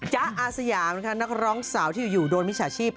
อาสยามนะคะนักร้องสาวที่อยู่โดนมิจฉาชีพ